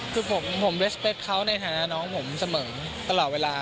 คือผมเวสเปคเขาในฐานะน้องผมเสมอตลอดเวลา